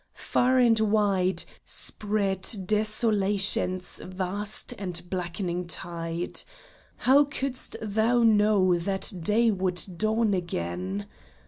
Far and wide Spread desolation's vast and blackening tide. How couldst thou know that day would dawn again